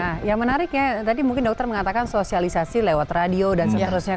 nah yang menarik ya tadi mungkin dokter mengatakan sosialisasi lewat radio dan seterusnya